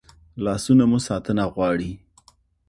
لاسونه مو ساتنه غواړي